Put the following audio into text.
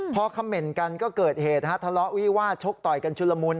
พอคำเหม็นกันก็เกิดเหตุฮะทะเลาะวิวาดชกต่อยกันชุลมุน